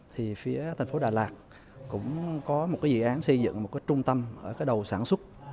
thì phía tp hcm cũng có một cái dự án xây dựng một cái trung tâm ở cái đầu sản xuất